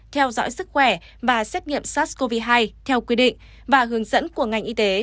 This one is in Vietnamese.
theo dõi sức khỏe và xét nghiệm sars cov hai theo quy định và hướng dẫn của ngành y tế